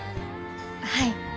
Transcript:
はい。